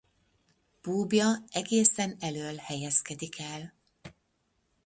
Búbja egészen elöl helyezkedik el.